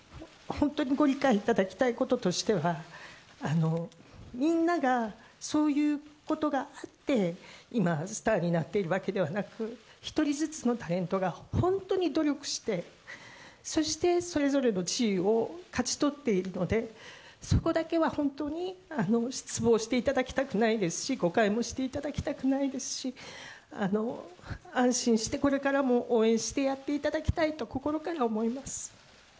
本当にご理解いただきたいこととしては、みんなが、そういうことがあって今、スターになっているわけではなく、一人ずつのタレントが本当に努力して、そしてそれぞれの地位を勝ち取っているので、そこだけは本当に、失望していただきたくないですし、誤解もしていただきたくないですし、安心して、これからも応援してやっていただきたいと、心から思います。